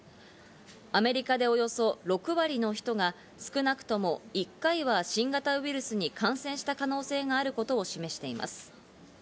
アメリカでおよそ６割の人が少なくとも１回は新型ウイルスに感染した可能性があることを示しています。